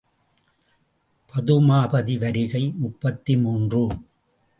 பதுமாபதி வருகை முப்பத்து மூன்று.